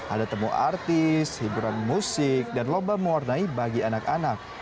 ada temu artis hiburan musik dan lomba mewarnai bagi anak anak